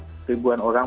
di tanjuruan ribuan orang